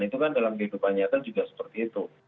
itu kan dalam kehidupan nyata juga seperti itu